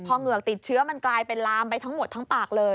พอเหงือกติดเชื้อมันกลายเป็นลามไปทั้งหมดทั้งปากเลย